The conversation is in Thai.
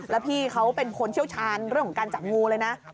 แล้วพี่เขาเป็นคนเชี่ยวชาญเรื่องของการจับงูเลยนะ